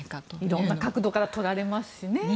いろんな角度から撮られますしね。